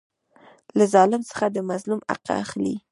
له ظالم څخه د مظلوم حق اخلي.